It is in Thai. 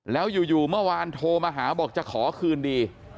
แล้วอยู่เมื่อวานโทรมาหาบอกจะขอคืนดี